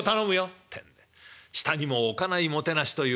ってんで下にも置かないもてなしというのはこのことで。